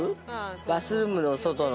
バスルームの外の。